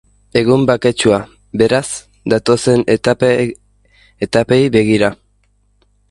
Egun baketsua, beraz, datozen etapei begira.